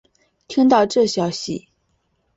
听到这消息